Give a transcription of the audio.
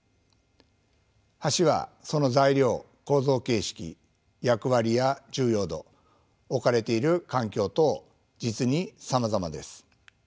橋はその材料構造形式役割や重要度置かれている環境等実にさまざまです。